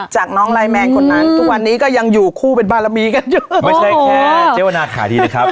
จากน้องไลน์แมนคนนั้นทุกวันนี้ก็ยังอยู่คู่เป็นบารมีกันอยู่ไม่ใช่แค่เจ๊วนาขาดีนะครับ